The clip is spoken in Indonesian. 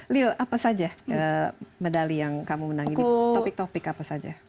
leo apa saja medali yang kamu menangin di topik topik apa saja